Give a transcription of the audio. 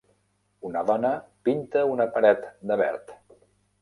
Una dona pinta una paret de verd.